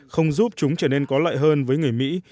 không giúp chúng trở nên có lợi hơn với người mỹ